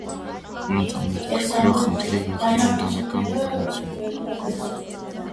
Նրանց ամենահետաքրքրող խնդիրը եղել է ընտանեկան բռնությունը։